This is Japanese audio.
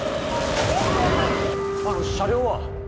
あの車両は？